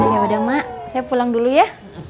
ya udah mak saya pulang dulu ya